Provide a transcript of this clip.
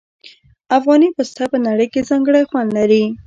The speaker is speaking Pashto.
افغاني پسته په نړۍ کې ځانګړی خوند لري.